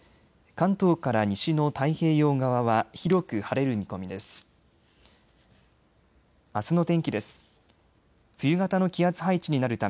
関東から西の太平洋側は広く晴れる見込みです。